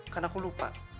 kan aku lupa